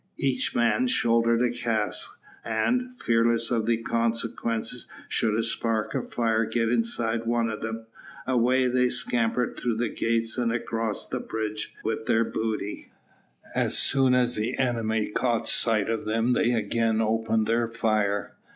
Each man shouldered a cask, and, fearless of the consequences should a spark of fire get inside one of them, away they scampered through the gates and across the bridge with their booty. As soon as the enemy caught sight of them they again opened their fire.